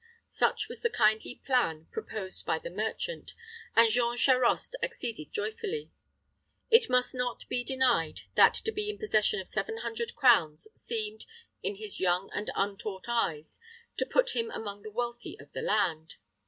Such was the kindly plan proposed by the merchant, and Jean Charost acceded joyfully. It must not be denied that to be in possession of seven hundred crowns seemed, in his young and untaught eyes, to put him among the wealthy of the land.